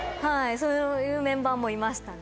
そういうメンバーもいましたね。